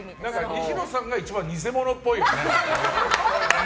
西野さんが一番偽者っぽいよね。